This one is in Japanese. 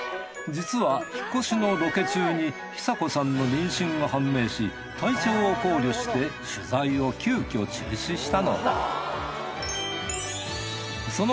実は引っ越しのロケ中に寿子さんの妊娠が判明し体調を考慮して取材を急遽中止したのだ。